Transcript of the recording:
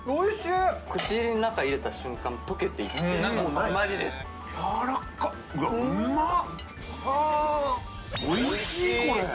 口の中入れた瞬間溶けていってマジですやわらかっうまっ！